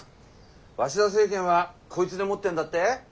鷲田政権はこいつでもってんだって。